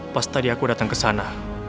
pas tadi aku datang kesana